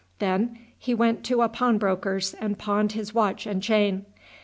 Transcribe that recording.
Then he went to a pawnbroker's and pawned his watch and chain.